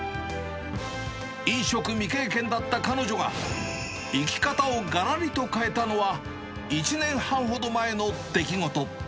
飲食未経験だった彼女が、生き方をがらりと変えたのは、１年半ほど前の出来事。